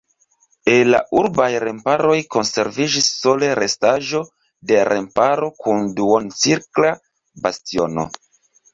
El la urbaj remparoj konserviĝis sole restaĵo de remparo kun duoncirkla bastiono.